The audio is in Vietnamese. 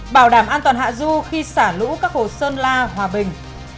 bảo đảm an toàn hạ du khi xả lũ các hồ sơn la hòa bình